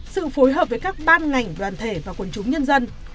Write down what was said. sự phối hợp với các ban ngành đoàn thể và quân chúng nhân dân